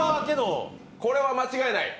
これは間違いない？